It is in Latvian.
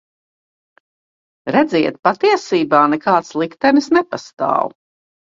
Redziet, patiesībā nekāds liktenis nepastāv.